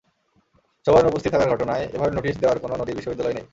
সভায় অনুপস্থিত থাকার ঘটনায় এভাবে নোটিশ দেওয়ার কোনো নজির বিশ্ববিদ্যালয়ে নেই।